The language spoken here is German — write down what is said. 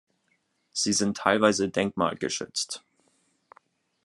Sie sind teilweise denkmalgeschützt.